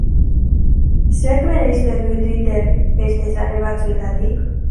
Zerk bereizten du Twitter beste sare batzuetatik?